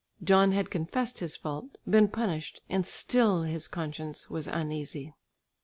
John had confessed his fault, been punished, and still his conscience was uneasy.